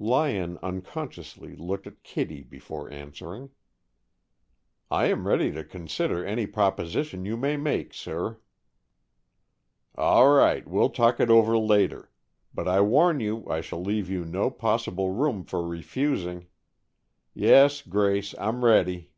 Lyon unconsciously looked at Kittie before answering. "I am ready to consider any proposition you may make, sir." "All right. We'll talk it over later. But I warn you I shall leave you no possible room for refusing. Yes, Grace, I'm ready."